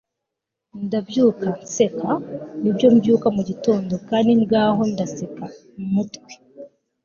ndabyuka nseka. nibyo, mbyuka mu gitondo kandi ngaho ndaseka umutwe. - bruce willis